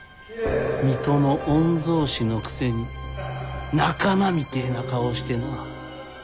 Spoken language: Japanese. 水戸の御曹司のくせに仲間みてえな顔をしてな。